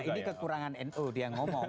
tidak dengan nu dia ngomong